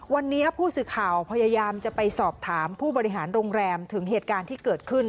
วันนี้ผู้สื่อข่าวพยายามจะไปสอบถามผู้บริหารโรงแรมถึงเหตุการณ์ที่เกิดขึ้น